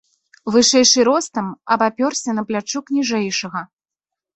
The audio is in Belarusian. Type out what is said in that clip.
Вышэйшы ростам абапёрся на плячук ніжэйшага.